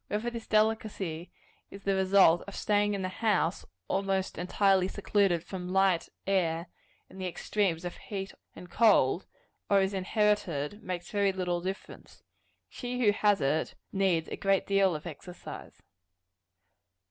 Whether this delicacy is the result of staying in the house, almost entirely secluded from light, air, and the extremes of heat and cold, or is inherited, makes very little difference. She who has it needs a great deal of exercise.